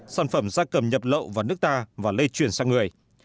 sản phẩm gia cầm nhập lậu vào nước ta và lây truyền sang người